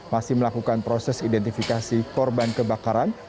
masih melakukan proses identifikasi korban kebakaran